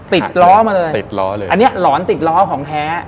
ติดล้อมาเลยอันนี้หลอนติดล้อของแท้